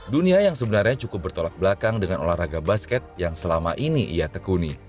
dunia yang sebenarnya cukup bertolak belakang dengan olahraga basket yang selama ini ia tekuni